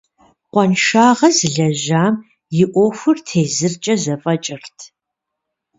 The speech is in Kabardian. Къуаншагъэ зылэжьам и ӏуэхур тезыркӏэ зэфӏэкӏырт.